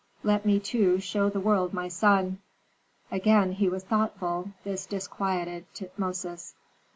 Let me, too, show the world my son." Again he was thoughtful; this disquieted Tutmosis.